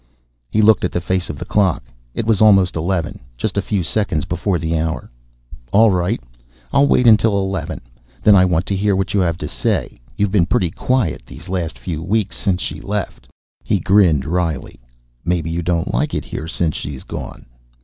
He looked at the face of the clock. It was almost eleven, just a few seconds before the hour. "All right. I'll wait until eleven. Then I want to hear what you have to say. You've been pretty quiet the last few weeks since she left." He grinned wryly. "Maybe you don't like it here since she's gone."